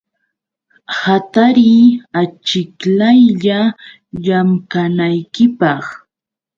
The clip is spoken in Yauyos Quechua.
Hatariy achiklaylla llamkanaykipaq.